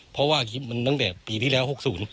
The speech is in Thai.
เพราะว่าคลิปมันตั้งแต่ปีที่แล้ว๖๐